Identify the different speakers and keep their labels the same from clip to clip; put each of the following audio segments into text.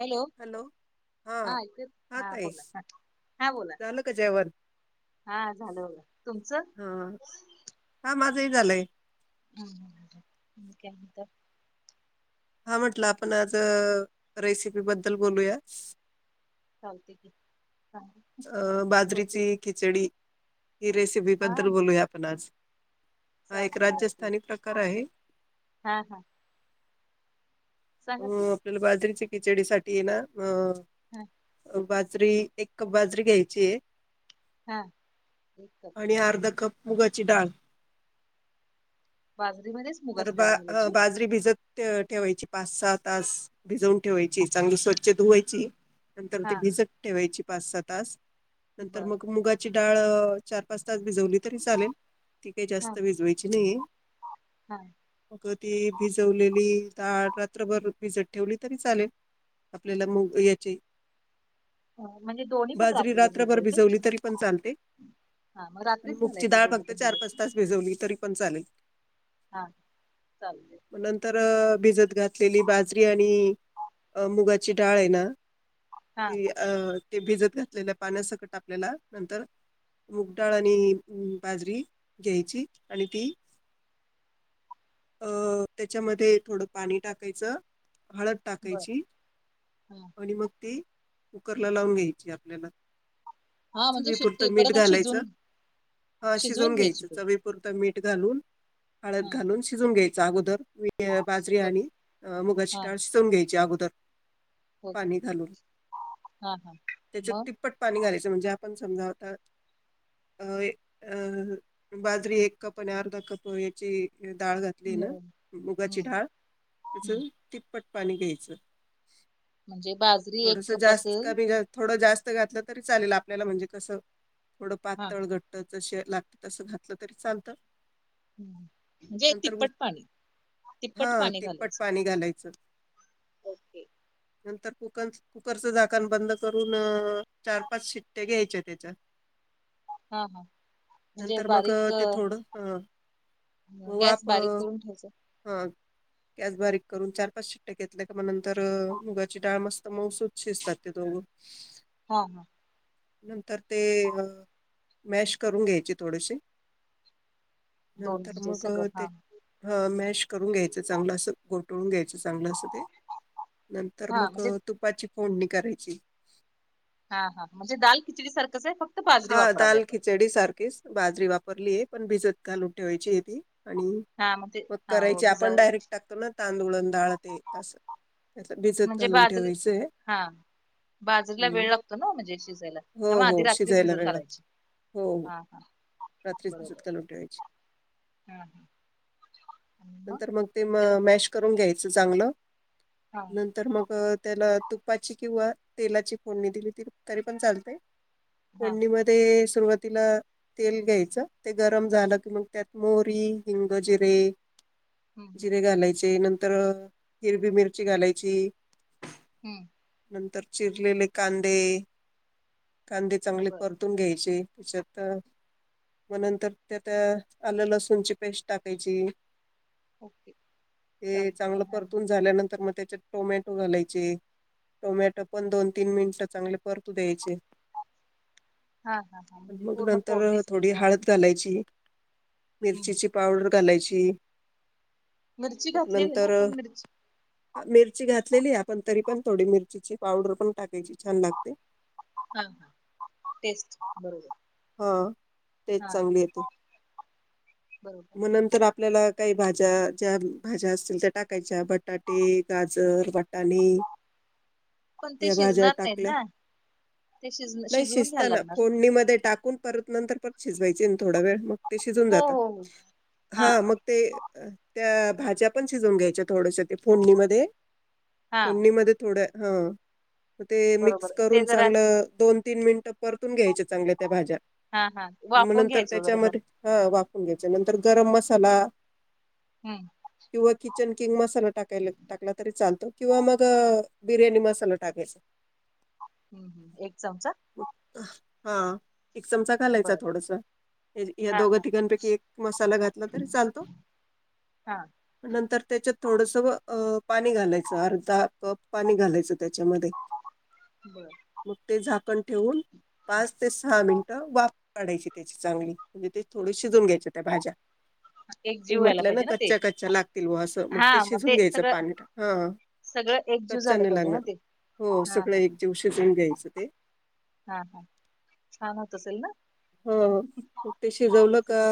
Speaker 1: Hello हा हा बोला ह हा बोला
Speaker 2: झालं का जेवण
Speaker 1: हा झालं बघ तुमचं
Speaker 2: हा हा माझंही झालंय
Speaker 1: हमत
Speaker 2: हा म्हटलं आपण आज रेसिपी बद्दल बोलूया
Speaker 1: शांत क
Speaker 2: अं बाजरीची खिचडी ही रेसिपी
Speaker 1: हा
Speaker 2: बद्दल बोलूया आपण आज हा एक
Speaker 1: चालते चालते
Speaker 2: राजस्थानी प्रकार आहे
Speaker 1: हा हा
Speaker 2: अ
Speaker 1: सांगा की
Speaker 2: आपल्याला बाजरीच्या खिचडी साठी ये ना अ
Speaker 1: ह
Speaker 2: बाज बाजरी एक कप बाजरी घ्यायची आहे
Speaker 1: हा एक कप
Speaker 2: आणि अर्धा कप मुगाची डाळ
Speaker 1: बस
Speaker 2: तर बा बाजरी भिजत ठेवायची पाच सहा तास भिजवून ठेवायची चांगली स्वच्छ धुवायची नंतर ते
Speaker 1: हा
Speaker 2: भिजत ठेवायची पाच सहा तास नंतर
Speaker 1: बर
Speaker 2: मग मुगाची डाळ चार पाच तास भिजवली तरी चालेल ती काही
Speaker 1: हा
Speaker 2: जास्त
Speaker 1: हा
Speaker 2: विजवायची नाहीय
Speaker 1: हा
Speaker 2: मग ती भिजवलेली रात्रभर भिजत ठेवली तरी चालेल आपल्याला मग याची
Speaker 1: अ, म्हणजे दोन्ही पण
Speaker 2: बाजरी रात्रभर
Speaker 1: भिजवायचे
Speaker 2: भिजवली तरी पण चालते.
Speaker 1: हा मग
Speaker 2: आणि
Speaker 1: रात्रीच
Speaker 2: मगची
Speaker 1: घालायचं
Speaker 2: डाळ
Speaker 1: दोन्ही
Speaker 2: फक्त
Speaker 1: पण
Speaker 2: चार-पाच
Speaker 1: भिजत
Speaker 2: तास भिजवली तरी पण चालेल.
Speaker 1: हा. चालतंय
Speaker 2: नंतर भिजत घातलेली बाजरी आणि मुगाची ची डाळ आहे ना
Speaker 1: हा
Speaker 2: त ते भिजत घातलेल्या पाण्यासकट आपल्याला नंतर मुगडाळ आणि बाजरी घ्यायची आणि ती अ त्याच्यामध्ये थोडं पाणी टाकायचं. हळद
Speaker 1: बर
Speaker 2: टाकायची
Speaker 1: हा
Speaker 2: आणि मग ते कुकरला लावून घ्यायची आपल्याला.
Speaker 1: हा म्हणजे
Speaker 2: चवीपुरत
Speaker 1: शिट्टी
Speaker 2: मीठ
Speaker 1: परत आणि शिजवून
Speaker 2: घालायचं. हा, शिजवून
Speaker 1: घ्यायची
Speaker 2: घ्यायचं
Speaker 1: पण
Speaker 2: चवीपुरत मीठ. घालून हळद
Speaker 1: हा
Speaker 2: घालून शिजून घ्यायच, अगोदर मी बाजरी
Speaker 1: बर
Speaker 2: आणि मुगाची
Speaker 1: हा
Speaker 2: डाळ शिजवून घ्यायची अगोदर
Speaker 1: हो
Speaker 2: पाणी घालून.
Speaker 1: हा हा
Speaker 2: त्याच्यात
Speaker 1: मग
Speaker 2: तिप्पट पाणी घालायचं म्हणजे पण समजावतात अ अ बाजरी एक कप आणि अर्धा कप ची डाळ घातली ना,
Speaker 1: मग. हम्म
Speaker 2: मुगाची डाळ
Speaker 1: हम्म
Speaker 2: तिचं ती प्पट पाणी घ्यायचं,
Speaker 1: म्हणजे बाजरी एक
Speaker 2: थोडसं
Speaker 1: कप
Speaker 2: जास्त
Speaker 1: असेल
Speaker 2: कमी थोडं जास् त घातलं तरी चालेल आपल्याला म्हणजे कसं थोडं
Speaker 1: हा
Speaker 2: पातळ घट्ट जसं लागते तसं घातलं तरी चालतं.
Speaker 1: हम्म. म्हणजे
Speaker 2: नंतर,
Speaker 1: तिप्पट पाणी
Speaker 2: हा
Speaker 1: तिप्पट पाणी
Speaker 2: तिप्पट
Speaker 1: घालायचं.
Speaker 2: पाणी घालायचं.
Speaker 1: ओके.
Speaker 2: नंतर कुकर कुकरचं झाकण बंद करून अ चार पाच शिट्ट्या घ्यायच्या त्याच्या.
Speaker 1: हा हा म्हणजे
Speaker 2: नंतर मग अ
Speaker 1: बारीक
Speaker 2: ते थोडं, ह. हो
Speaker 1: गॅस
Speaker 2: आप
Speaker 1: बारीक करून ठेवायचा
Speaker 2: हा. गॅस बारीक करून, चार-पाच शिट्टी घेतला का मग. नंतर मुगाची डाळ मस्त मौसूत शिजतात. ते दोघ.
Speaker 1: हा हा.
Speaker 2: नंतर ते मॅश करून घ्यायचे थोडेशी.
Speaker 1: दोन
Speaker 2: नंतर
Speaker 1: म्हणजे
Speaker 2: मग
Speaker 1: सगळं
Speaker 2: ते
Speaker 1: हा
Speaker 2: मॅश करून घ्यायचं. चांगलं अस गोठळून घ्यायच. चांगलं अस ते, नंतर
Speaker 1: हा
Speaker 2: मग
Speaker 1: म्हणजे
Speaker 2: तुपाची फोडणी करायची.
Speaker 1: हा हा, म्हणजे दाल खिचडी सारखंच आहे फक्त बाजरी
Speaker 2: हा,
Speaker 1: वापरावली
Speaker 2: दाल
Speaker 1: आपण
Speaker 2: खिचडी सारखीच. बाजरी वापरलीय पण भिजत घालून ठेवायची आहे ती. आणि
Speaker 1: हा ते
Speaker 2: मग
Speaker 1: हा हो
Speaker 2: करायची, आपण
Speaker 1: भिजायला
Speaker 2: डायरेक्ट टाकतो ना, तांदूळ आणि डाळ ते अस. त्या भिजत
Speaker 1: म्हणजे
Speaker 2: घालून
Speaker 1: बाजरी
Speaker 2: ठेवायचंय.
Speaker 1: हा बाजरीला
Speaker 2: हम्म.
Speaker 1: वेळ लागतो ना म्हणजे शिजाय?
Speaker 2: हो
Speaker 1: त्यामुळे आधी
Speaker 2: हो
Speaker 1: रात्रीच
Speaker 2: शिजायला
Speaker 1: भिजत
Speaker 2: वेळ लागतो
Speaker 1: घालायची,
Speaker 2: हो हो.
Speaker 1: हा हा.
Speaker 2: रात्रीच
Speaker 1: बरोबर
Speaker 2: भिजत घालून ठेवायची.
Speaker 1: हा हा
Speaker 2: नंतर मग ते मग
Speaker 1: त्याला
Speaker 2: ते
Speaker 1: फक्त-
Speaker 2: मॅश करून घ्यायचं चांगलं.
Speaker 1: हा
Speaker 2: नंतर मग त्याला तुपाची किंवा, तेलाची फोडणी दिली तरी पण चालतेय
Speaker 1: हा
Speaker 2: फोडणीमध्ये सुरवातीला तेल घ्यायच. ते गरम झालं की मग त्यात मोरी, हिंग, जिरे.
Speaker 1: हम्म
Speaker 2: जिरे घालायचे, नंतर हिरवी मिरची घालायची.
Speaker 1: हम्म.
Speaker 2: नंतर चिरलेले कांदे. कांदे चांगले
Speaker 1: बर
Speaker 2: परतून घ्यायचे त्याच्यात मग नंतर त्यात आल्या लसूणची पेस्ट टाकायची.
Speaker 1: ओके
Speaker 2: ते
Speaker 1: चालतय
Speaker 2: चांगलं
Speaker 1: हा
Speaker 2: परतून झाल्यानंतर म ते टोमॅटो घालायचे. टोमॅटो पण दोन-तीन मिनिटं चांगले पर परतू द्यायचे.
Speaker 1: हा हा हा. म्हणजे
Speaker 2: मग
Speaker 1: पूर्ण
Speaker 2: नंतर
Speaker 1: फोडणीच
Speaker 2: थोडी
Speaker 1: दिली हा
Speaker 2: हळद घालायची.
Speaker 1: हम्म
Speaker 2: मिरचीची पावडर घालायची.
Speaker 1: मिरची
Speaker 2: मग
Speaker 1: घातलेली ना
Speaker 2: नंतर,
Speaker 1: आपण मिरची
Speaker 2: मिरची घातलेलीय आपण तरी पण थोडी मिरचीची पावडर पण टाकायची छान लागते.
Speaker 1: हा, टेस्ट बरोबर.
Speaker 2: हा टेस्ट
Speaker 1: हा
Speaker 2: चांगली येते.
Speaker 1: बरोबर
Speaker 2: म नंतर आप आपल्याला काही भाज्या ज्या भाज्या असतील त्या टाकायच्या. बटाटे, गाजर, वा आणि
Speaker 1: पण ते
Speaker 2: या भाज्या
Speaker 1: शिजणार नाहीत
Speaker 2: टाकल्या.
Speaker 1: ना ते शिज
Speaker 2: नाही
Speaker 1: शिजवून घ्यायला
Speaker 2: शिजताना,
Speaker 1: लागणार ना.
Speaker 2: फोडणी मध्ये टाक कोण परत नंतर परत शिजवायचे अन थोडा वेळ मग ते शिजून
Speaker 1: हो
Speaker 2: जात.
Speaker 1: हो हो
Speaker 2: हा मग ते त्या भाज्या पण शिजवून घ्यायच्या थोड्याश्या त्या फोंडणीमध्ये.
Speaker 1: हा
Speaker 2: फोंडणीमध्ये थोड् हा. मग ते मिक्स
Speaker 1: बरोबर ते
Speaker 2: करून
Speaker 1: जरा
Speaker 2: चांगलं दोन तीन मिनिटं परतून घ्यायचे चांगल्या त्या भाज्या.
Speaker 1: हा हा
Speaker 2: मग
Speaker 1: वाफवून
Speaker 2: नंतर
Speaker 1: घ्यायचं जरा जरा
Speaker 2: त्याच्यामध्ये ह वाफ वाफवून घ्यायच्या. नंतर गरम मसाला
Speaker 1: हम्म
Speaker 2: किंवा किचन किंग मसाला टाकायला टाकला तरी चालतो किंवा मग बिर्याणी मसाला टाकायचा.
Speaker 1: हम्म हम्म एक चमचा
Speaker 2: हा एक चमचा घालायचा
Speaker 1: बर
Speaker 2: थोडासा. या
Speaker 1: हा
Speaker 2: दोघं
Speaker 1: हा
Speaker 2: तिघापैकी एक मसाला घातला तरी चालतो.
Speaker 1: हा
Speaker 2: नंतर त्याच्यात थोडस अ पाणी घालायचं अर्धा कप पाणी घालायचं. त्याच्यामध्ये
Speaker 1: बर
Speaker 2: मग ते झाकण ठेवून. पाच ते सहा मिनट वाफ काडायची त्याची चांगली म्हणजे ते थोडी शिजून घ्यायच्या. त्या भाज्या
Speaker 1: एक
Speaker 2: तु
Speaker 1: जीव व्हायला
Speaker 2: म्हटलं ना
Speaker 1: पाहिजे ते
Speaker 2: कच्च्या कच्च्या लागतील व असं मग ते शिजून घ्यायचं पाणी टाकून हा.
Speaker 1: सगळं एकजूट
Speaker 2: कच्च्या
Speaker 1: झालं
Speaker 2: नाही
Speaker 1: पाहिजे ना
Speaker 2: लागणार
Speaker 1: ते.
Speaker 2: हो
Speaker 1: हा हा
Speaker 2: सगळं
Speaker 1: हा
Speaker 2: एकजीव शिजवून घ्यायचं ते.
Speaker 1: हा हा छान होत असेल ना?
Speaker 2: हो हो मग ते शिजवलं का
Speaker 1: रेसिपी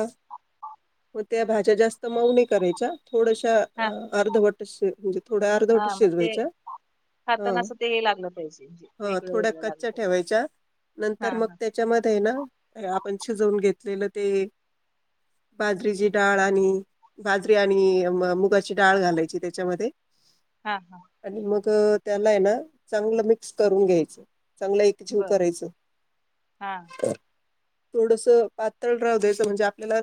Speaker 2: होत. त्या भाज्या जास्त मऊ नाही करायच्या. थोड्याश्या
Speaker 1: हा
Speaker 2: अर्धवट शिज म्हणजे थोड्या अर्धवट
Speaker 1: हा मग ते
Speaker 2: शिजवायच्या हा
Speaker 1: खाताना असं ते हे लागलं पाहिजे म्हणजे
Speaker 2: ह
Speaker 1: वेगळं
Speaker 2: थोड्या
Speaker 1: वेगळं लागलं
Speaker 2: कच्च्या
Speaker 1: पाहिजे
Speaker 2: ठेवायच्या.
Speaker 1: हा
Speaker 2: नंतर मग
Speaker 1: हा
Speaker 2: त्याच्या मध्ये ना आपण शिजवून घेतलेलं ते बाजरीची डाळ आणि बाजरी आणि मुगाची डाळ घालायची त्याच्या मध्ये
Speaker 1: हा हा.
Speaker 2: अं त्याला आहे ना चांगलं मिक्स करून घ्यायचं. चांगलं एकजीव
Speaker 1: बर
Speaker 2: करायच.
Speaker 1: हा
Speaker 2: थोडस पातळ राहू द्यायचं म्हणजे आपल्याला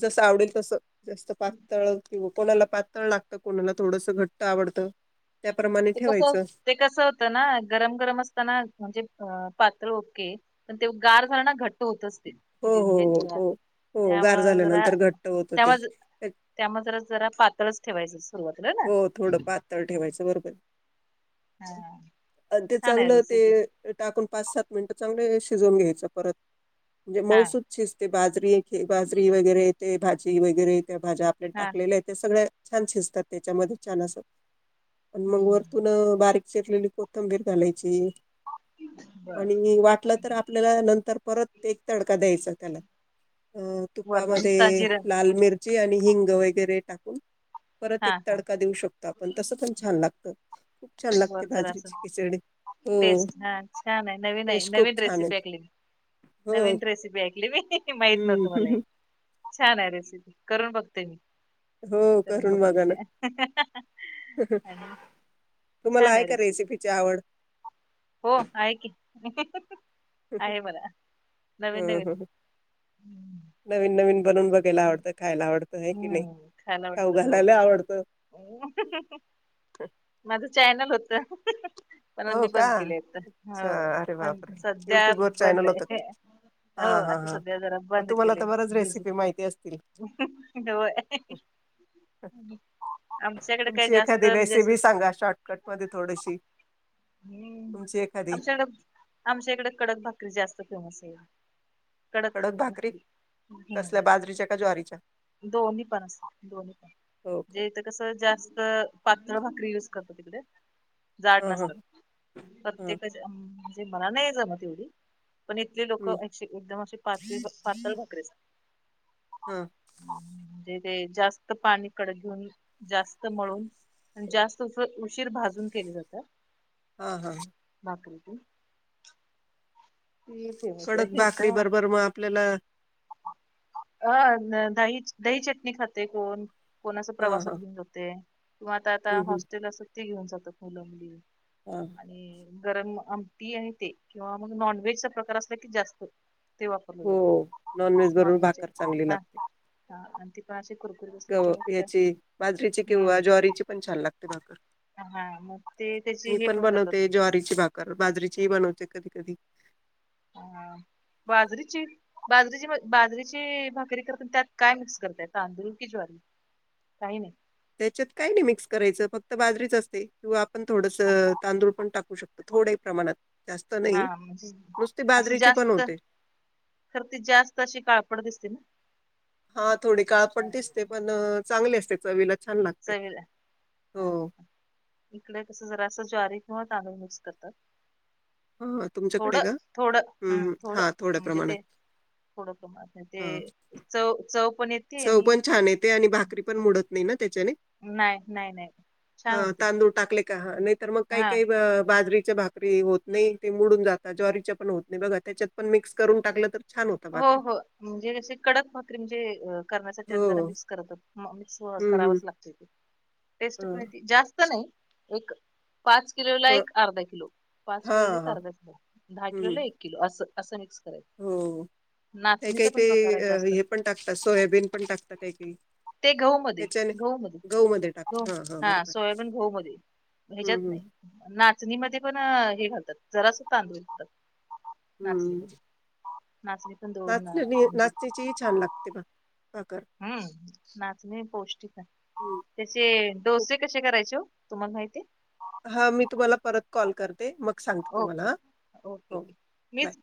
Speaker 2: जस आवडेल तसं. जास्त पातळ किंवा कोणाला पातळ लागतं कोणाला थोडस घट्ट आवडतं. त्याप्रमाणे
Speaker 1: ते कस
Speaker 2: ठेवायचं
Speaker 1: ते कसं होतं ना गरम गरम असताना म्हणजे अ पातळ होते पण ते गार झालं ना घट्ट होत असते
Speaker 2: हो
Speaker 1: ते.
Speaker 2: हो हो हो हो गार
Speaker 1: त्यामुळं जरा
Speaker 2: झाल्यानंतर घट्ट होतं ते
Speaker 1: त्यामुळे त्यामुळे जरा जरास पातळच ठेवायचं सुरुवातीला ना. हा
Speaker 2: अ ते
Speaker 1: छान आहे
Speaker 2: चांगलं ते
Speaker 1: रेसिपी
Speaker 2: टाकून पाच सात मिनट चांगले शिजवून घ्यायच परत म्हणजे
Speaker 1: हा
Speaker 2: मऊसुत शिजते बाजरी हे की बाजरी वैगेरे ते त्या भाज्या बाजरी वगैरे त्या भाज्या आपल्या
Speaker 1: हा
Speaker 2: टाकलेल्या आहेत त्या सगळ्या छान शिजतात त्याच्या मध्ये छान अस. पण मग
Speaker 1: हम्म
Speaker 2: वरतून बारीक चिरलेली कोथंबीर घालायची.
Speaker 1: बर
Speaker 2: आणि वाटलं तर आपल्याला नंतर परत ते काढायचा त्याला अं तुपा
Speaker 1: वरण नुसता
Speaker 2: मध्ये
Speaker 1: जिरं
Speaker 2: लाल मिर ची आणि हिंग वगैरे टाकून परत एक
Speaker 1: हा हा
Speaker 2: तडका देऊ शकतो आपण तसं पण छान लागतं. खूप छान लागते
Speaker 1: वर जरासं
Speaker 2: बाजरीची खिचडी. हो
Speaker 1: टेस्ट हा छान आहे नवीन आहे
Speaker 2: टेस्ट
Speaker 1: नवीन
Speaker 2: खूप छान
Speaker 1: रेसिपी
Speaker 2: येते.
Speaker 1: ऐकलेली.
Speaker 2: हो.
Speaker 1: नवीन रेसिपी ऐकली मी माहित नव्हत मला हे
Speaker 2: हं.
Speaker 1: छान आहे रेसिपी करून बघते मी.
Speaker 2: हो,
Speaker 1: करूण
Speaker 2: करून बघा ना.
Speaker 1: बघते.
Speaker 2: तुम्हाला
Speaker 1: छान आहे
Speaker 2: का
Speaker 1: रेसिपी
Speaker 2: रेसिपीची आवड?
Speaker 1: हो आहे की.
Speaker 2: हम्
Speaker 1: आहे मला नवीन नवीन
Speaker 2: ह
Speaker 1: हम्म
Speaker 2: नवीन नवीन बनून बघायला आवडतं खायला आवडतं. आहे की नाही?
Speaker 1: हम्म खायला
Speaker 2: खाऊ
Speaker 1: आवडतं हो.
Speaker 2: घालायला आवडतं.
Speaker 1: माझ चॅन ल होत. पण
Speaker 2: हो
Speaker 1: आम्ही
Speaker 2: का?
Speaker 1: बंद केले आहेत.
Speaker 2: अच्छा,
Speaker 1: हो
Speaker 2: अरे
Speaker 1: पण
Speaker 2: बापरे!
Speaker 1: सध्या
Speaker 2: वर
Speaker 1: बंद
Speaker 2: चॅनल होतं का?
Speaker 1: आहे. हो
Speaker 2: हां, हां,
Speaker 1: आता
Speaker 2: हां.
Speaker 1: सध्या जरा
Speaker 2: मग
Speaker 1: बंद
Speaker 2: तुम्हाला
Speaker 1: केले.
Speaker 2: तर बऱ्याच
Speaker 1: बिझी
Speaker 2: रेसिपी माहिती असतील.
Speaker 1: होय. आमच्याकडे काय
Speaker 2: तुमची
Speaker 1: जास्त
Speaker 2: एखादी
Speaker 1: म्हणजे अस
Speaker 2: रेसिपी सांगा शॉर्टकटमध्ये थोडीशी.
Speaker 1: हम्म
Speaker 2: तुमची एखादी.
Speaker 1: आमच्याकडे आमच्या इकडे कडक भाकरी जास्त फेमस आहे. कडक
Speaker 2: कसल्या बाजरीच्या का ज्वारीच्या?
Speaker 1: दोन्ही पण अस दोन्ही पण
Speaker 2: हो का?
Speaker 1: म्हणजे इथ कसं जास्त पातळ भाकरी युज करतात तिकडे जाड
Speaker 2: हां, हां,
Speaker 1: नसतात.
Speaker 2: हां.
Speaker 1: प्रत्येकाच्या मला नाही जमत तेवढी पण इथले लोक
Speaker 2: हं.
Speaker 1: एकदम असे पातळी पातळ भाकरेस
Speaker 2: हा
Speaker 1: म्हणजे ते जास्त पाणी कडक घेऊन जास्त मळून जास्त उशीर भाजून केली जातात
Speaker 2: हा हा
Speaker 1: पाते [unintelligible]
Speaker 2: कडक बाकरी बरोबर मग आपल्याला
Speaker 1: अ दही दही चटणी खाते कोण कोणाच
Speaker 2: हा
Speaker 1: प्रवासात
Speaker 2: हा
Speaker 1: घेऊन जाते किंवा आता आता
Speaker 2: हम्म हम्म
Speaker 1: हॉस्टेल असत ते घेऊन जातात मुलंबली
Speaker 2: हा
Speaker 1: आणि गरम आमटी आणि ते किंवा मग नॉन वेजचा प्रकार असला की जास्त ते वापरलं
Speaker 2: हो
Speaker 1: जातं
Speaker 2: नॉन व्हेज बरोबर भाकर चांगली लागते
Speaker 1: ह आणि ती पा
Speaker 2: ग या्याची बाजरीची
Speaker 1: हम्म
Speaker 2: किंवा ज्वारीची पण छान लागते भाकर
Speaker 1: हा मग ते त्याची
Speaker 2: मी
Speaker 1: हे
Speaker 2: पण
Speaker 1: करतात
Speaker 2: बनवते ज्वारीची भाकर बाजरीची बन चे कधी कधी
Speaker 1: हम बाजरीची बाजरीची बाजरीची भाकरी करते त्यात काय मिक्स करताय तांदूळ की ज्वारी
Speaker 2: ह
Speaker 1: काही नाही
Speaker 2: त्याच्यात काही नाही मिक्स करायचं फक्त बाजरीच असते किंवा आपण थोडस तांदूळ पण टाकू शकतो थड प्रमाणात जास्त
Speaker 1: हा
Speaker 2: नाही
Speaker 1: म्हणजे
Speaker 2: नुसती
Speaker 1: असं
Speaker 2: बाजरीची पण
Speaker 1: जास्त
Speaker 2: होते.
Speaker 1: तरर ती जास्त अशी काळपड दिसते ना
Speaker 2: हा थोडी काळ पण दिसते पण चांगली असते चवीला छान लागते.
Speaker 1: सवी ह ह
Speaker 2: हो
Speaker 1: ह इकडे कस जरा असं ज्वारी स करत
Speaker 2: हा
Speaker 1: [unintelligible]
Speaker 2: तुमच्याकडे
Speaker 1: थोडं
Speaker 2: का?
Speaker 1: थोडं
Speaker 2: हम्म
Speaker 1: हम्
Speaker 2: हम्म.
Speaker 1: थोडं
Speaker 2: हा थोड्या
Speaker 1: म्हणजे
Speaker 2: प्रमाणात
Speaker 1: ते थोड क मत नाही ते
Speaker 2: हा.
Speaker 1: चव चव पण य
Speaker 2: चव पण छान येते आणि भाकरी पण मोडत नाही ना त्या
Speaker 1: नाही नाही नाही छान
Speaker 2: हां,
Speaker 1: होते
Speaker 2: तांदूळ टाकले का नाही तरर मग काही
Speaker 1: हा
Speaker 2: काही बाजरी भाकरी होत नाही तेडून जात ज्वारीच्या पण होत नाही बघा त्याच्यात पण मिक्स करून टाकलं तर छान होतं
Speaker 1: हो
Speaker 2: भाकरी.
Speaker 1: हो म्हणजे कडक भाकरी म्हणजे ज
Speaker 2: हो.
Speaker 1: मिक्स करत मिक्स
Speaker 2: हं,
Speaker 1: कराच
Speaker 2: हं.
Speaker 1: लागत टेस्ट पण
Speaker 2: हं.
Speaker 1: जास्त नाही एक पाच किलोला
Speaker 2: थोडं
Speaker 1: एक अर्धा किलो पाच किलोला
Speaker 2: हां,
Speaker 1: एक
Speaker 2: हां.
Speaker 1: अर्धा किलो दहा
Speaker 2: हं.
Speaker 1: किलोला एक किलो असं असं मिक्स करय
Speaker 2: हो काही काही ते हे पण टाकत सोयाबीन पण टाकत काही काही
Speaker 1: ते घहू मध्ये गहू
Speaker 2: गहूमध्ये
Speaker 1: मध्ये
Speaker 2: टाकतात. हां, हां.
Speaker 1: हा
Speaker 2: बरोबर आहे.
Speaker 1: सोयाबीन गहू मध्ये
Speaker 2: हं,
Speaker 1: भ्याजत
Speaker 2: हं.
Speaker 1: नाही ना नाचणी म पण हे घालतात जरास तांदूळात नाचणीमध्ये नाचणी पण दोन
Speaker 2: नाचण्या
Speaker 1: म्हणजे
Speaker 2: नाचण्याचीही छान लागते बघ
Speaker 1: हम्म नाचणी पौष्टिक
Speaker 2: हं.
Speaker 1: त्याचे डोसे कसे करायचे तुम्हाला माहिती आहे
Speaker 2: हा मी तुम्हाला परत कॉल करते ते मग सांगते तुम्हाला
Speaker 1: ओके ओके
Speaker 2: ह
Speaker 1: ओके
Speaker 2: हो बाय
Speaker 1: मीच